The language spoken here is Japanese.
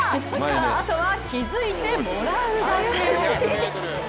あとは気づいてもらうだけ。